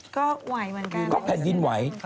ก็แผ่นดินไหว